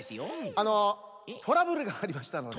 あのトラブルがありましたので。